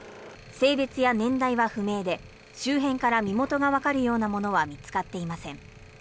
性別や年代は不明で、周辺から身元がわかるようなものは見つかっていません。